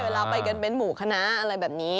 เวลาไปเกิดเบ้นหมู่ขนาอะไรแบบนี้